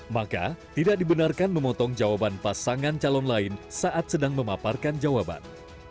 maka tidak dibenarkan memotong jawaban pasangan calon lain saat sedang memaparkan jawaban